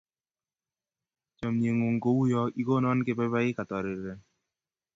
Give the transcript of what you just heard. Chomye ng'ung' ko uyo ikonon kepepaik atoriren.